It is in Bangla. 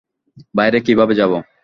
বাইরে কীভাবে যাব?